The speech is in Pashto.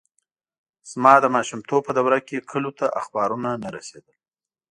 زما د ماشومتوب په دوره کې کلیو ته اخبارونه نه رسېدل.